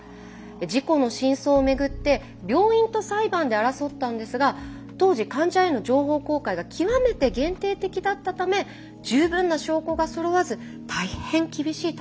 事故の真相を巡って病院と裁判で争ったんですが当時患者への情報公開が極めて限定的だったため十分な証拠がそろわず大変厳しい闘いになったんです。